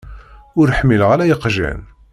Ur ḥmileɣ ara iqjan.